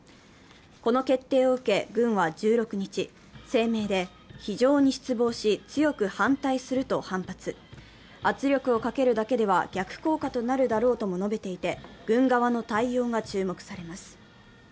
この決定を受け軍は１６日、声明で非常に失望し、強く反対すると反発圧力をかけるだけでは逆効果となるだろうとも述べていて軍側の対応が注目されます。